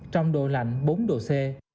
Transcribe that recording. trong độ lạnh bốn độ c